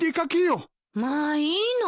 まあいいの？